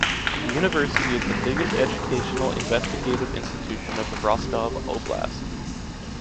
The university is the biggest educational investigative institution of the Rostov Oblast.